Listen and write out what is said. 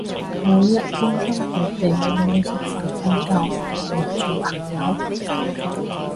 每日關心佢哋有冇食飯瞓覺同人做朋友